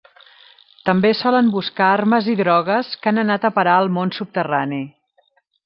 També solen buscar armes i drogues que han anat a parar al món subterrani.